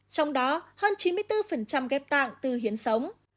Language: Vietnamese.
trong đó hơn chín mươi bốn ghép tạng từ hiến sống